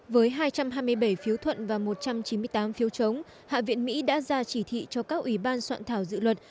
với hai trăm hai mươi bảy phiếu thuận và một trăm chín mươi tám phiếu chống hạ viện mỹ đã ra chỉ thị cho các ủy ban soạn thảo dự luật